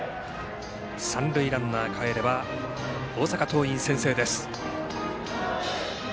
３ランナーかえれば大阪桐蔭、先制です。